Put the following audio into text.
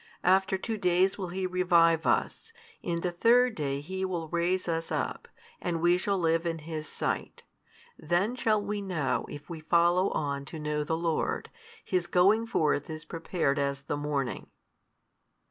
After two days will He revive us, in the third day He will raise us up, and we shall live in His Sight. Then shall we know if we follow on to know the Lord; His going forth is prepared as the morning.